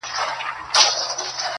اه او اوف وي نور نو سړی نه پوهیږي -